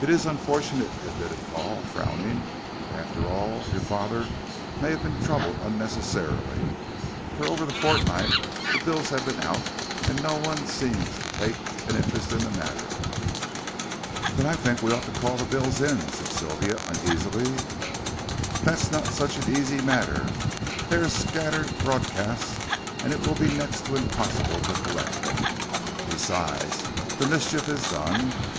"It is unfortunate," admitted Paul, frowning. "But, after all, your father may have been troubled unnecessarily. For over the fortnight the bills have been out and no one seems to take an interest in the matter." "But I think we ought to call the bills in," said Sylvia, uneasily. "That's not such an easy matter. They are scattered broadcast, and it will be next to impossible to collect them. Besides, the mischief is done.